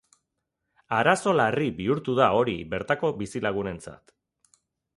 Arazo larri bihurtu da hori bertako bizilagunentzat.